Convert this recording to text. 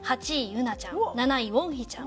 ユナちゃん７位ウォンヒちゃん